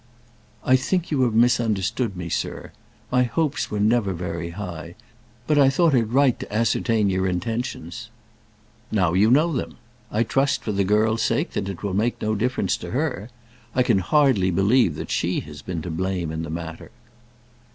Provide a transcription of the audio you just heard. "I think you have misunderstood me, sir. My hopes were never very high; but I thought it right to ascertain your intentions." "Now you know them. I trust, for the girl's sake, that it will make no difference to her. I can hardly believe that she has been to blame in the matter."